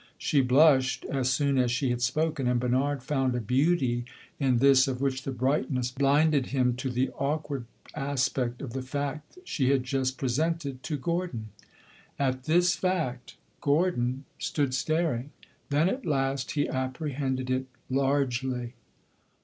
She blushed as soon as she had spoken, and Bernard found a beauty in this of which the brightness blinded him to the awkward aspect of the fact she had just presented to Gordon. At this fact Gordon stood staring; then at last he apprehended it largely.